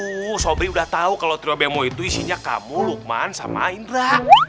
wuh sobri udah tahu kalau trio bemo itu isinya kamu lukman sama indra